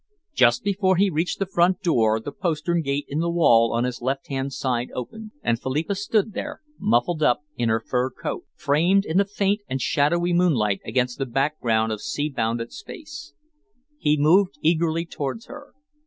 Just before he reached the front door, the postern gate in the wall on his left hand side opened, and Philippa stood there, muffled up in her fur coat, framed in the faint and shadowy moonlight against the background of seabounded space. He moved eagerly towards her.